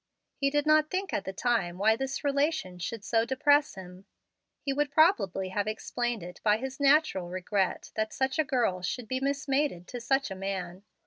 He did not think at the time why this relation should so depress him. He would probably have explained it by his natural regret that such a girl should be mismated to such a man.